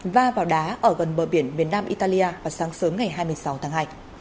và vào đá ở gần bờ biển miền nam italia vào sáng sớm ngày hai mươi sáu tháng hai